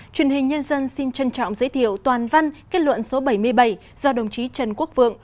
truyền hình nhân dân xin trân trọng giới thiệu toàn văn kết luận số bảy mươi bảy do đồng chí trần quốc vượng